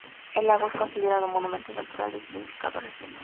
El lago es considerado monumento natural de significado regional.